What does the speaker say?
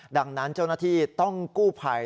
ดังนั้นเจ้าหน้าที่ต้องกู้ภัย